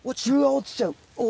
落ちちゃう。